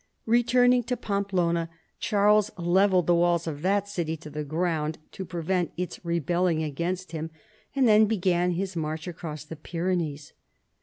Returning to Parapelona Charles levelled the walls of that city to the ground, to prevent its re belling against him, and then began his march across the Pyrenees.